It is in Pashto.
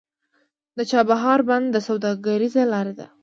د چابهار بندر سوداګریزه لاره ده